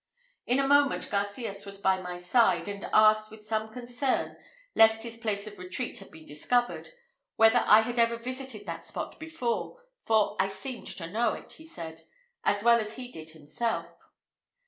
In a moment Garcias was by my side, and asked, with some concern lest his place of retreat had been discovered, whether I had ever visited that spot before, for I seemed to know it, he said, as well as he did himself.